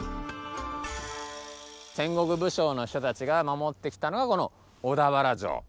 戦国武将の人たちが守ってきたのがこの小田原城。